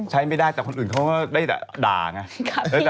ใช้ไม่ได้แต่คนอื่นเขาก็ได้ด่าไง